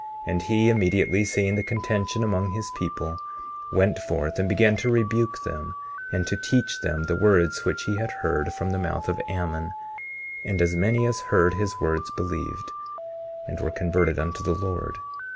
19:31 And he, immediately, seeing the contention among his people, went forth and began to rebuke them, and to teach them the words which he had heard from the mouth of Ammon; and as many as heard his words believed, and were converted unto the Lord.